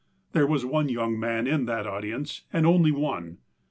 There was one young man in that audience, and only one.